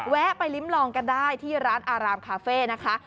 แวะไปลิ้มลองกันได้ที่ร้านอารามคาเฟ่นะคะ